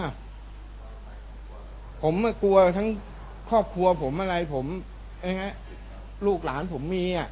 ผมกลัวทั้งครอบครัวผมอะไรผมลูกหลานผมมีอ่ะ